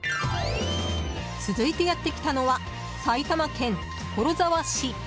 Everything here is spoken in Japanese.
続いてやってきたのは埼玉県所沢市。